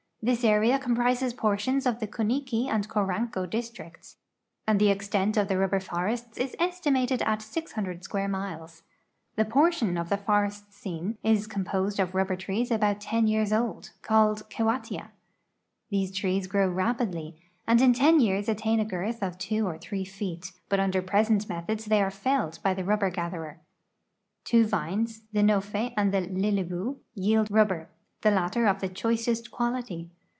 This area com])rises portions of the Kuniki and Koranko districts, and the extent of the rubber forests is estimated at ()00 .square miles. The portion of the forests seen is composed of rubber trees about ten years old, called "' Kewatia.r These trees grow rapidly, and in ten years attain a girth of two or three feet, but under present methods they are felled by the riibber gatherer. Two vines, the " note" and the " lilibue," yield rubber, the latter of the choicest (piality.